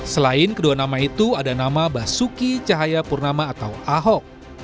selain kedua nama itu ada nama basuki cahayapurnama atau ahok